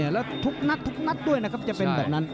และทุกนัดด้วยจะจะเป็นแบบนั้น